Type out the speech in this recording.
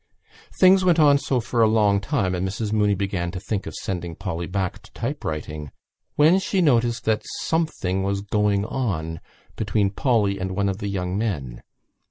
Things went on so for a long time and Mrs Mooney began to think of sending Polly back to typewriting when she noticed that something was going on between Polly and one of the young men.